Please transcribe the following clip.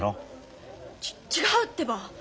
ちっ違うってば。